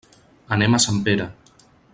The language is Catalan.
Anem a Sempere.